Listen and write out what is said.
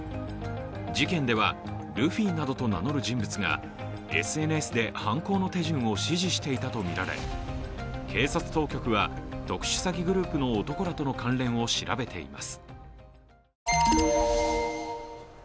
事件では、ルフィなどと名乗る人物がＳＮＳで犯行の手順を指示していたとみられ、警察当局は特殊詐欺グループの男らとの関連を調べています。